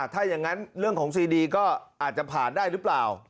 ถ้าอย่างนั้นเรื่องของซีดีก็อาจจะผ่านได้หรือเปล่า